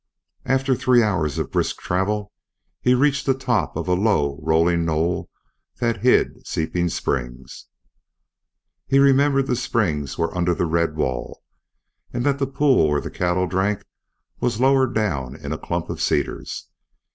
After three hours of brisk travel he reached the top of a low rolling knoll that hid Seeping Springs. He remembered the springs were up under the red wall, and that the pool where the cattle drank was lower down in a clump of cedars.